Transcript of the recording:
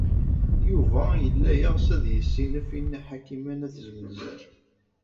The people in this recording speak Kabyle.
Yuba yella yeɣs ad yessinef i Nna Ḥakima n At Zmenzer.